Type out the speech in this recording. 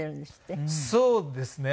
そうですね。